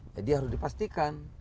jadi harus dipastikan